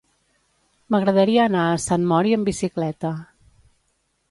M'agradaria anar a Sant Mori amb bicicleta.